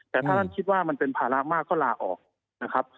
แต่ถ้าท่านคิดว่ามันเป็นภาระมากก็ลาออกนะครับ